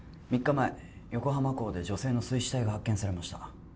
３日前横浜港で女性の水死体が発見されました